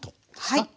はい。